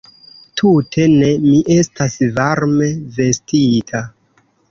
Tute ne, mi estas varme vestita.